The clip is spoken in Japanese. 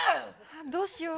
どうしよう。